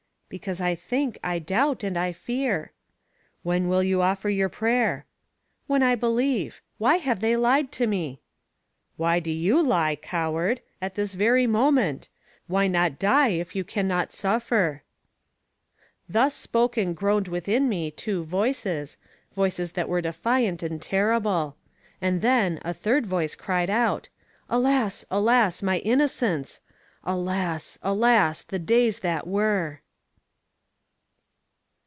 "Because I think, I doubt and I fear." "When will you offer your prayer?" "When I believe. Why have they lied to me?" "Why do you lie, coward! at this very moment? Why not die if you can not suffer?" Thus, spoke and groaned within me two voices, voices that were defiant and terrible; and then, a third voice cried out: "Alas! Alas! my innocence! Alas! Alas! the days that were!"